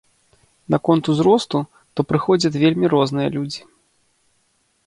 Наконт узросту, то прыходзяць вельмі розныя людзі.